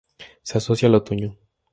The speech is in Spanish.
Se asocia al otoño.